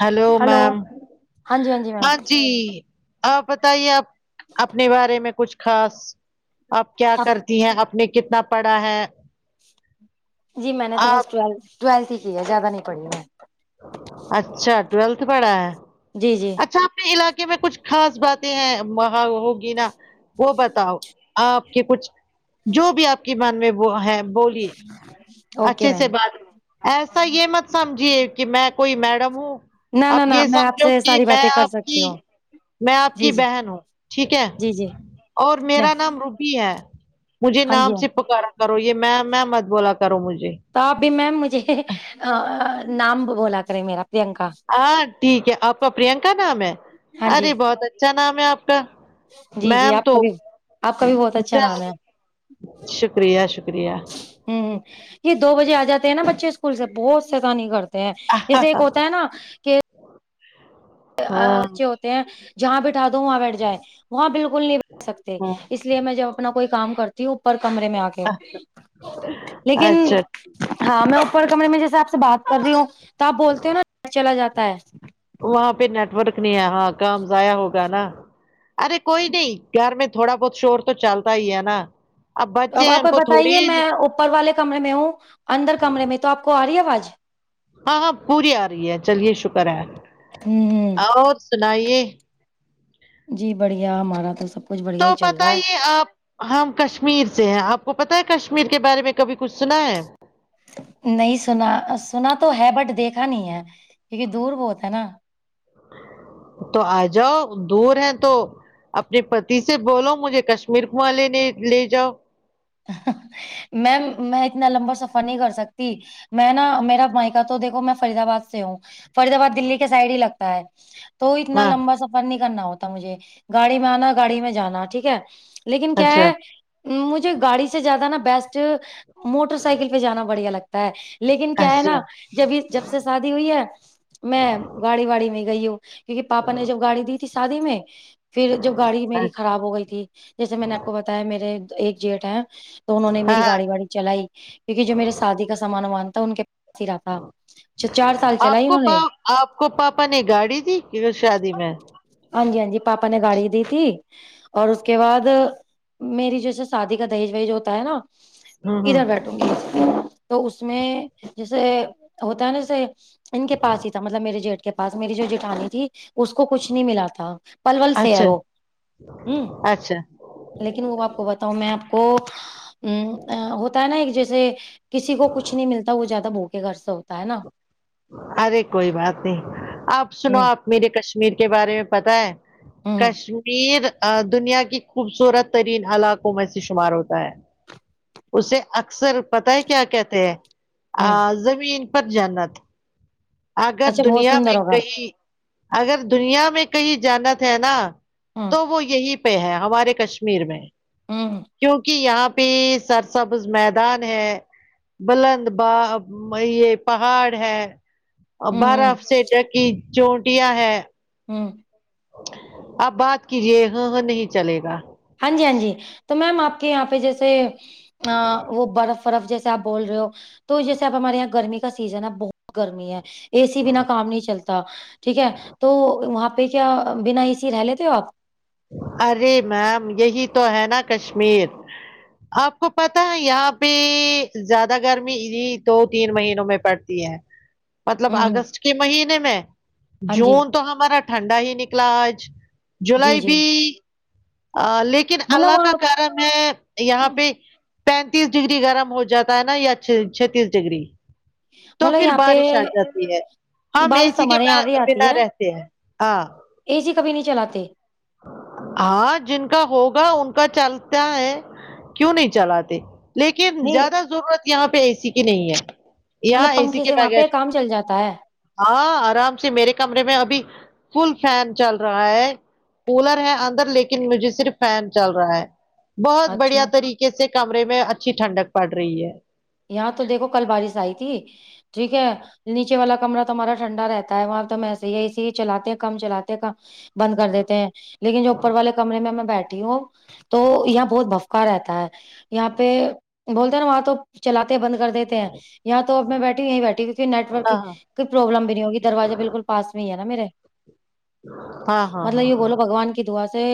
hello ma'am ہاں جی ma'am ہاں جی آپ بتائیے آپ اپنے بارے میں کچھ خاص آپ کیا کرتی ہیں آپ نے کتنا پڑھا ہے جی میں نے تو بس آپ ٹوے ٹویلتھ ہی کیا ہے زیادہ نہیں پڑھی میں اچھا ٹویلتھ پڑھا ہے جی جی اچھا اپنے علاقے میں کچھ خاص باتیں ہیں وہاں ہوگی نا وہ بتاؤ آپ کے کچھ جو بھی آپ کی من میں وہ ہے بولیے اوکے اچھے سے میم بات ایسا یہ مت سمجھیے کہ میں کوئی میڈم ہوں نہ آپ نہ نہ یہ میں آپ سمجھو سے کہ ساری میں باتیں کر آپ سکتی کی ہوں میں آپ کی جی جی بہن ہوں ٹھیک ہے جی جی اور میں میرا نام رو بی ہے مجھے ہاں جی نام ہاں سے پکارا کرو یہ میں میم میم مت بولا کرو مجھے تو آپ بھی میم مجھے نام بولا کرے میرا پرینکا ہاں ٹھیک ہے آپ کا پرینکا نام ہے ہاں ارے جی بہت اچھا نام ہے آپ کا جی جی میم آپ کا تو بھی آپ کا بھی بہت اچھا چل نام ہے شکریہ شکریہ ہوں ہ یہ دو بجے آجاتے ہیں نا بچے اسکول سے بہت شیطانی کرتے تے ہے جسے ایک ہوتا ہے نا کہ ہاں اچھے ہوتے ہیں جہاں بیٹھا دو وہاں بیٹھ جائے وہاں بالکل نہیں بیٹھ سکتے ہاں اس لیے میں جب اپنا کوئی کام کرتی ہوں اوپر کمرے میں آ کے لیکن اچھا ہاں میں اوپر کمرے میں جیسے آپ سے بات کر رہی ہوں تو آپ بولتے ہو نیٹ ورک چلا جاتا ہے وہاں پہ نیٹ ورک نہیں ہے ہاں کام ضائع ہوگا نا ارے کوئی نہیں گھر میں تھوڑا بہت شور تو چلتا ہی ہے نا بچے اب ہیں آپ ان کو تھوڑی بتائیے میں اوپر والے کمرے میں ہوں اندر کمرے میں تو آپ کو آ رہی ہے آواز ہاں ہاں پوری آ رہی ہے چلیے شکر ہے ہوں اور سنائیے جی بڑھیا ہمارا تو سب کچھ بڑھیا تو ہی چل پتہ رہا ہے ہی آپ ہم کشمیر سے ہیں آپ کو پتہ ہے کشمیر کے بارے میں کبھی کچھ سنا ہے نہیں سنا سنا تو ہے بٹ دیکھا نہیں ہے کیونکہ دور بہت ہے نا تو آجاؤ دور ہے تو اپنے پتی سے بولو مجھے کشمیر کواں لینے لے جاؤ میم میں اتنا لمبا سفر نہیں کر سکتی میں نا میرا مائکا تو دیکھو میں فریدآباد سے ہوں فرید آباد دہلی کے سائڈ ہی لگتا ہے تو اتنا ہاں لمبا سفر نہیں کرنا ہوتا مجھے گاڑی میں آنا گاڑی میں جانا ٹھیک ہے لیکن کیا اچھا ہے مجھے گاڑی سے سے زیادہ نا بیسٹ موٹر سائیکل پہ جانا بڑھیا لگت تا ہے لیکن کیا ہے اچھا نا جب یہ جب سے شادی ہوئی ہے میں گاڑی واڑی میں گئی ہوں کیونکہ پاپا نے جو گاڑی دی تھی شادی میں پھر جب گاڑی اچھا میری خراب ہو گئی تھی جیسے میں نے آپ کو بتایا میرے ایک جیٹ ہے تو انہوں نے ہاں میری ہاں گاڑی واڑی چلائی کیونکہ جو میرے شادی کا سامان وامان تھا ان کے پاس ہی رہا تھا چ چار سال آپ چلائی کو انہوں پا نے آپ کو پاپا نے گاڑی دی کہ شادی میں ہاں جی ہاں جی پاپا نے گاڑی دی تھی اور اس کے بعد میری جو ہے سو شادی کر دہیج وھیج ہوتا ہے نا ہوں ہوں ادھر بیٹھوں گی تو اس میں جیسے ہوتا ہے نا جیسے ان کے پاس ہی تھا مطلب میرے جیٹ کے پاس میری جو جیٹھانی تھی اس کو کچھ نہیں ملا تھا پلول سے ہے اچھا وہ ہ اچھا لیکن وہ آپ کو بتاؤں میں آپ کو ا ہوتا ہے نا ایک جیسے کسی کو کچھ نہیں ملتا وہ زیادہ بو کے گھر سے ہوتا ہے نا ارے کوئی بات نہیں آپ سنو آپ میرے کشمیر کے بارے میں پتہ ہے ہوں کشمیر دنیا کی خوبصورت ترین علاقوں میں سے شمار ہوتا ہے اسے اکثر پتا ہے کیا کہتے ہیں ہوں زمین پر جنت اگر اچھا بہت دنیا سندر میں ہوگا کہیں اگر دنیا میں کہیں جنت ہے نا ہوں تو وہ یہی پہ ہے ہمارے کشمیر میں ہوں کیونکہ یہاں پہ سرسبز میدان ہے بلند باغ یہ پہاڑ ہے ا ہوں بار ہوں اف سٹر کی چونٹیاں ہے ہوں آپ بات کیجے ہاں ہاں نہیں چلے گا ہاں جی ہاں جی تو میم آپ کے یہاں پہ جیسے ا وہ برف برف جیسے آپ بول رہے ہو تو جیسے اب ہمارے یہاں گرمی کا سیزن ہے بہت گرمی ہے اے سی بنا کام نہیں چلتا ٹھیک ہے تو وہاں پہ کیا بنا اے سی رہ لیتے ہو آپ ارے میم یہی تو ہے نا کشمیر آپ کو پتاہ ہے یہاں پہ زیادہ گرمی دو تین مہینوں میں پڑتی ہے مطلب ہوں ہوں اگست کے مہینے میں ہاں جی جون تو ہمارا ٹھنڈا ہی نکلا آج جی جولائی جی بھی آ لی کن اللہ مطلب کا آپ کرم ہے یہاں پہ پینتیس ڈگری گرم ہو جاتا ہے نا یا چے چھتیس ڈگری تو مطلب پھر یہاں پہ بارش آ جاتی ہے ہم اے بارش سی کے ہمارے ب یہاں بھی آتی بنا ہے رہتے ہیں ہاں اے سی کبھی نہیں چلاتے آن جن کا ہوگا ان کا چلتا ہے کیوں نہیں چلاتے لیکن نہیں زیادہ ضرورت یہاں پہ اے سی کی نہیں ہے مطلب یہاں اے سی پنکھے کے سے وہاں پہ بغیر کام چل جاتا ہے ہاں آرام سے میرے کمرے میں ابھی فل فین چل رہا ہے کولر ہے اندر لیکن مجھے صرف فین چل رہا ہے بہت بڑھیا اچھا طریقہ کیسے کمرے میں اچھی ٹھنڈک پڑ رہی ہے یہاں تو دیکھو کل بارش آئی تھی ٹھیک ہے نیچے والا کمرا تو ہمارا ٹھنڈا رہتا ہے وہاں تو ایسے ہی ہے اسی ہی چلاتے ہیں کم چلاتے ہیں کم بند کر دیتے ہیں لیکن جو اوپر والے کمرے میں میں بیٹھی ہوں تو یہاں بہت بف کا رہتا ہے یہاں پہ بولتے ہیں نا وہاں تو چلاتے بند کر دیتے ہیں یہاں تو اب میں بیٹھی ہ یہیں بیٹھی کیونکہ نیٹ ورک کی ہاں کوئی پروابلم بھی نہیں ہوگی دروازہ بالکل پاس میں ہی ہے نا میرے ہاں ہاں مطلب یہ ہاں بولو بگوان کی دعا سے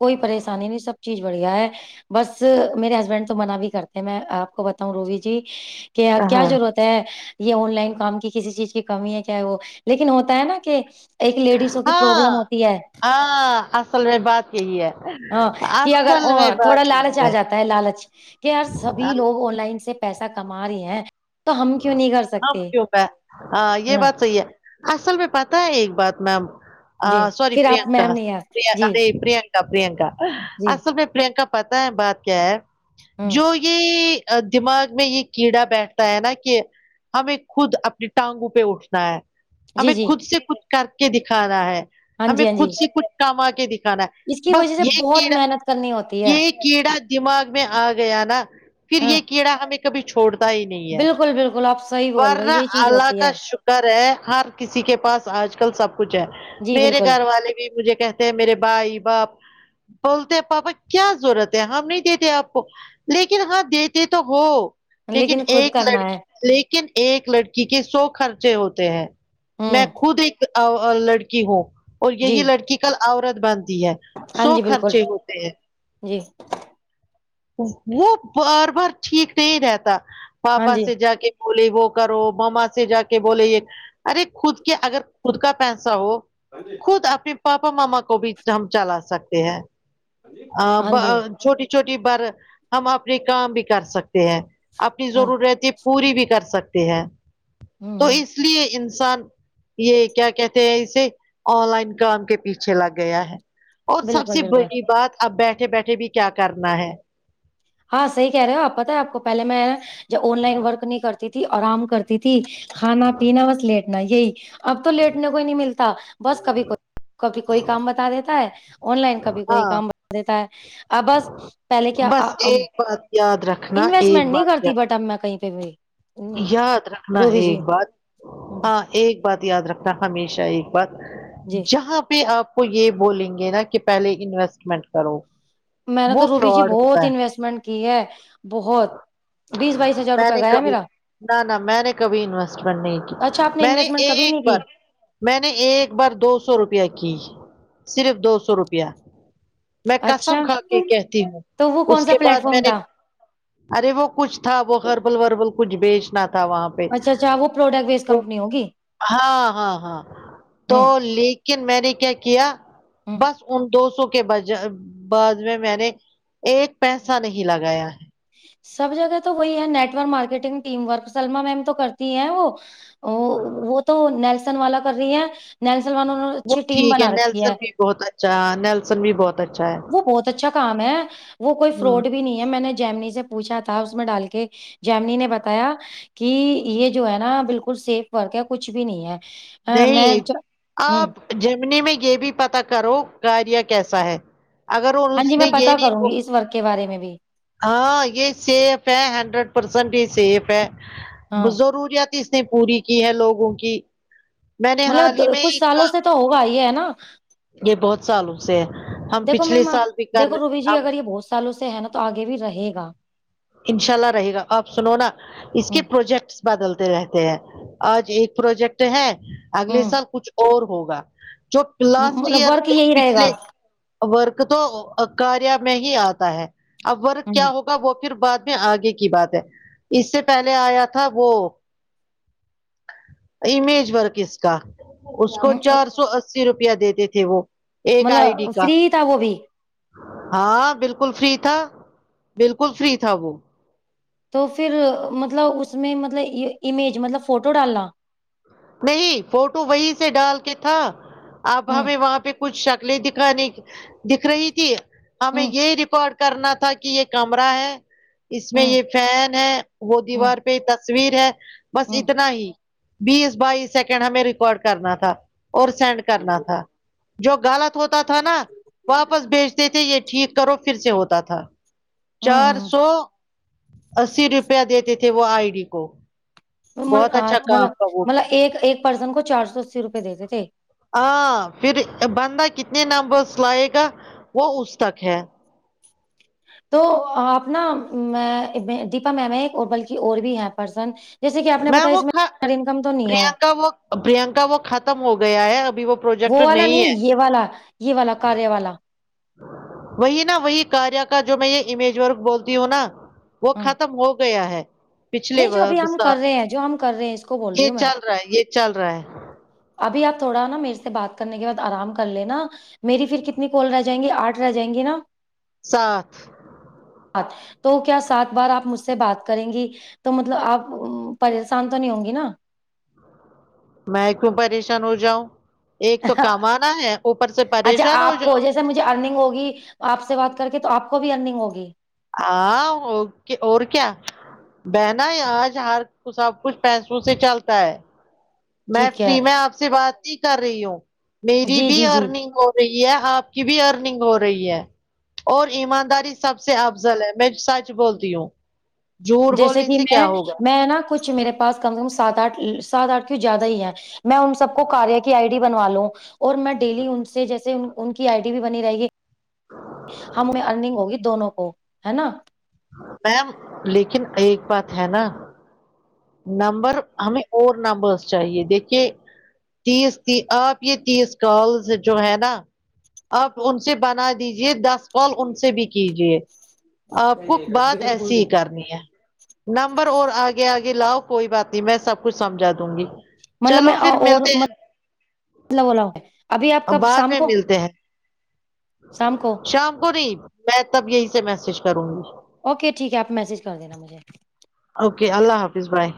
کوئی پریشانی نہیں سب چیز بڑھیا ہے بس میرے ہسبینڈ تو منع بھی کرتے میں آپ کو بتاؤں روہی جی کہ اب کیا ہاں ضرورت ہے یہ آن لائن کام کی کسی چیز کی کمی ہے کیا وہ لیکن ہوتا ہے نا کہ ایک لیڈیز ہاں ہاں اصل میں بات یہی ہے ہاں کہ اگر اصل میں بات تھوڑا ہی لالچ آ ہے جاتا ہے لالچ کہ یار سبھی لوگ آن لائن سے پیسہ کما رہے ہیں تو ہم کیوں نہیں کر سکتے [unintelligible] ہاں یہ بات صحیح ہے اصل میں پتاہ ہے ایک بات میم جی آ سوررے پھر آپ پررینکا میم نہیں آ پریہ جی ارے پرینک پرینکا جی اصل میں پرینکا پتہ ہے بات کیا ہے ہوں جو ی یہ ا دماغ میں یہ کیڑا بیٹھتا ہے نا کہ ہمیں خود اپنی ٹانگوں پہ اٹھنا ہے جی ہمیں جی خود سے خود کر کے دکھانا ہے ہاں ہمیں جی ہاں خود جی سے کچھ کما کے دکھانا اس کی وجہ بس سے یہ بہت کیڑا محنت کرنی ہوتی ہے یہ کیڑا دماغ میں آ گیا نا پھر ہاں یہ کیڑا ہمیں کبھی چھوڑتا ہی نہیں ہے بالکل بالکل اپ صحیح بول رہے ہو ورنہ یہ چیز اللہ ہوتی کا ہے شکر ہے ہر کسی کے پاس آج کل سب کچھ ہے جی میرے بالکل گھر والے بھی مجھے کہتے ہیں میرے بھائی باپ بولتے ہیں پاپا کیا ضرورت ہے ہم نہیں دیتے آپ کو لیکن ہاں دیتے تو ہو لیکن خود ایک کرنا ہے لڑکی لیکن ایک لڑکی کے سو خرچے ہوتے ہیں میں ہوں خود ایک ا لڑکی ہو اور یہی جی لڑکی کل عورت بنتی ہے ہاں سو جی بالکل خرچے ہوتے ہیں جی وہ بار بار ٹھیک نہیں رہتا ہاں پاپا جی سے جا کے بولے وہ کرو ماما سے جا کے بولے یہ ارے خود کے اگر خود کا پیسہ ہو ہاں جی خود اپنے پاپا ماما کو بھی ہم چلا سکتے ہیں اب ہاں جی ا چھوٹی چھوٹی بر ہم اپنے کام بھی کر سکتے ہیں اپنی ہاں ضرورتیں پوری بھی کر سکتے ہیں تو ہ اس لیئے انسان یہ کیا کہتے ہیں اسے آن لائن کام کے پیچھے لگ گیا ہے اور سب بالکل سے بالکل بڑی بات اب بیٹھے بیٹھے بھی کیا کرنا ہے ہاں صحیح کہہ رہے ہو آپ پتہ ہے آپ کو پہلے میں جب آن لائن ورک نہیں کرتی تھی آرام کرتی تھی کھانا پینا بس لیٹنا یہی اب تو لیٹنے کو ہی نہیں ملتا بس کبھی کوئی کبھی کوئی کام بتا دیتا ہے آن لائن کبھی کوئی ہاں کام بتا دیتا ہے ا بس پہلے کیا بس ایک بات یاد رکھ انویسٹمنٹ نہیں کرتی بٹ اب میں کہیں پہ بھی یاد رکھنا ہے روبی جی ایک بات جی ہاں ایک بات یاد رکھنا ہمیشہ ایک بات جی جہاں پہ آپ کو یہ بولیں گے نا کہ پہلے انویسٹمنٹ کرو میں نے تو وہ روبی جی فراڈ بہت ہوتا ہے انویسٹمنٹ کی ہے بہت بیس بائیس ہزار میں روپئے نے گیا ہے کبھی میرا نہ نہ میں نے کبھی انویسٹمنٹ نہیں کی اچھا آپ میں نے انویسٹمنٹ کبھی ایک نہیں کی بار میں نے ایک بار دو سو روپیہ کی صرف دو سو روپیہ میں قسم اچھا کھا کے کہتی ہوں تو وہ کون اس سا کے بعد پلیٹ میں فارم نے تھا ارے وہ کچھ تھا وہ ہربل وربل کچھ بیچنا تھا وہاں پے اچھا اچھا وہ پروڈکٹ بیس تو کمپنی ہوگی ہاں ہاں ہاں تو ہوں لی کن میں نے کیا کیا ہ بس ان دو سو کے بجا بعد میں میں نے ایک پیسہ نہیں لگایا سب جگہ تو وہی ہے network marketing team work Salma ma'am تو کرتی ہیں وہ ا وہ وہ تو نیلسن والا کر رہی ہے نیلسن والوں نے وہ اچھی ٹیم ٹھیک بنا رکھی ہے نیلسن بھی بہت اچھا نیلسن بھی بہت اچھا ہے وہ بہت اچھا کام ہے وہ کوئی ہ فراڈ بھی نہیں ہے میں نے جیمنی سے پوچھا تھا اس میں ڈال کے جیمنی نے بتایا کہ یہ جو ہے نا بالکل سیف ورک ہے کچھ بھی نہیں ہے ہاں میں نہیں چ- ہوں آپ جیمنی میں یہ بھی پتا کرو کاریا کیسا ہے اگر اور ہاں اس جی میں نے یہ پتا نہیں کروں بو گی اس ورک کے بارے میں بھی ہاں یہ سیف ہے ہنڈریڈ پرسینٹ ہی سیف ہے بہ ہاں ضروریات اس نے پوری کی ہے لوگوں کی میں نے مطلب حال دا ہی میں کچھ ایک سالوں سے تو ہوگا ہی ہے نا یہ بہت سالوں سے ہے ہم دیکھو میری پچھلے ماں سال بھی کر دیکھو روبی جی ہم اگر یہ بہت سالوں سے ہے نا تو آگے بھی رہے گا انشاء اللہ رہے گا آپ سنو نا اس ہ کے پروجیکٹس بدلتے رہتے ہیں آج ایک پروجیکٹ ہے ہ اگلے سال کچھ اور ہوگا جو لاسٹ مطلب ایئر ورک جو یہی رہے گا پچھلے ورک تو ا کاریا میں ہی آتا ہے اب ورک ہوں کیا ہوگا وہ پھر بعد میں آگے کی بات ہے اس سے پہلے آیا تھا وہ امیج ورک اس کا اس کو ہوں، چار سو اسی روپیہ دیتے تھے وہ ایک آئی ڈی مطلب کا فری تھا وہ بھی ہاں بالکل فری تھا بالکل فری تھا وہ تو پھر ا مطلب اس میں مطلب امیج مطلب فوٹو ڈالنا نہیں فوٹو وہی سے ڈال کے تھا اب ہمیں وہاں پہ کچھ شکلیں دکھانے کی دکھ رہی تھی ہمیں یہ ریکارڈ کرنا تھا کی یہ کیمرہ ہے اس میں یہ فین ہے وہ دیوار پہ یہ تصویر ہے بس اتنا ہی بیس بائیس سیکنڈ ہمیں ریکارڈ کرنا تھا اور سینڈ کرنا تھا جو غلط ہوتا تھا نا واپس بیچ تھے یہ ٹھیک کرو پھر سے ہوتا تھا چار سو اسی روپیہ دیتے تھے وہ آئی ڈی کو بہت اچھا کام تھا وہ ایک ایک پرسن کو چار سو اسی روپئے دیتے تھے ہاں پھر بندہ کتنے نمبرس لائے گا وہ اس تک ہے تو اپنا دیپا معم ہے اور بلکہ اور بھی ہے پرسن جیسے کہ آپ نے میم بتایا وہ اس میں کھ- میںاری انکم تو نہیں ہے پرینکا وہ پرینکا وہ ختم ہو گیا ہے ابھی وہ وہ پروجیکٹ والا نہیں ہے یہ والا کارے والا وہی نہ وہی کاریہ کا جو میں یہ امیج ورک بولتی ہوں نا وہ ختم ہو گیا ہے پچھلے نہیں جو ابھی وگ ہم کر سال رہے ہیں جو ہم کر رہے ہیں اس کو بول رہی یہ ہوں میں چل رہا ہے یہ چل رہا ہے ابھی آپ تھوڑا نہ میرے سے بات کرنے کے بعد آرام کر لینا میری پھر کتنی کول رہ جائیں گی آٹھ رہ جائیں گی نہ ساتھ [unintelligible] تو کیا سات بار آپ مجھ سے بات کریں گی تو مطلب آپ پریشان تو نہیں ہوں گی نہ میں کیوں پریشان ہو جاؤں ایک تو کمانا ہے اوپر سے اچھا پریشان ہو آپ کو جاؤ جیسے مجھے ارننگ ہوگی آپ سے بات کر کے تو آپ کو بھی ارننگ ہوگی اہاں او اور کیا بہانہ یہ آج ہر سب کچھ پیسوں سے چلتا ہے میں ٹھیک فری ہے میں آپ سے بات نہیں کر رہی ہوں میری جی، بھی جی، جی ارننگ ہو رہی ہے آپ کی بھی ارننگ ہو رہی ہے اور ایمانداری سب سے افضل ہے میں سچ بولتی ہوں جھوٹ جیسے بولنے کہ سے میں کیا ہوگا میں نہ کچھ میرے پاس کہو سات آٹھ سات آٹھ کیوں زیادہ ہی ہے میں ان سب کو کاریہ کی آئی ڈی بنوا لوں اور میں ڈیلی ان سے جیسے ان کی آئی ڈی بھی بنی رہے گی [inaudible] ہم میں ارننگ ہوگی دونوں کو ہے نہ معم لیکن ایک بات ہے نہ نمبر ہمیں اور نمبرز چاہیے دیکھیے تیس دی آپ یہ تیس کالز جو ہے نہ آپ ان سے بنا دیجیے دس کال ان سے بھی کیجیے آپ کو بات ایسی ہی کرنی ہے نمبر اور آگے آگے لاؤ کوئی بات نہیں میں سب کچھ سمجھا دوں گی مطلب چلو میں پھر اور ملتے ہیں مطلب بولا ہوں ابھی آپ اور کب بعد شام میں کو ملتے ہیں شام کو شام کو نہیں میں تب یہی سے میسج کروں گی اوکے ٹھیک ہے آپ میسج کر دینا مجھے اوکے اللہ حافظ بائے